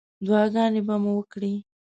دعاګانې به مو وکړې.